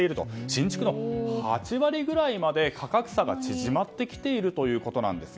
新築の８割くらいまで価格差が縮まってきているということなんです。